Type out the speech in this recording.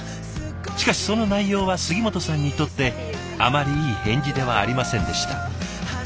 しかしその内容は杉本さんにとってあまりいい返事ではありませんでした。